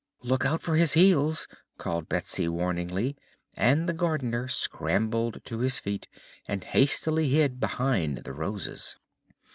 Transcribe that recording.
"Look out for his heels!" called Betsy warningly and the Gardener scrambled to his feet and hastily hid behind the Roses.